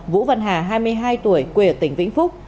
vũ văn hà hai mươi hai tuổi quê ở tỉnh vĩnh phúc